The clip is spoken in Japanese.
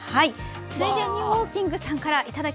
ついでにウォーキングさんから。